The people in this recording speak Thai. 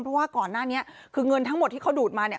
เพราะว่าก่อนหน้านี้คือเงินทั้งหมดที่เขาดูดมาเนี่ย